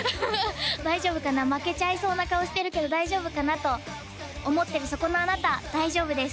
大丈夫かな負けちゃいそうな顔してるけど大丈夫かなと思ってるそこのあなた大丈夫です